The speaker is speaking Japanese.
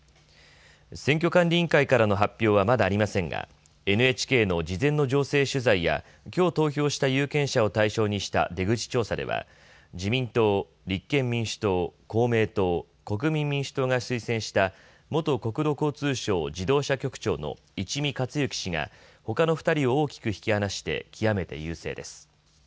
選挙管理委員会からの発表はまだありませんがＮＨＫの事前の情勢取材やきょう投票した有権者を対象にした出口調査では自民党、立憲民主党、公明党、国民民主党が推薦した元国土交通省自動車局長の一見勝之氏がほかの２人を大きく引き離して極めて優勢です。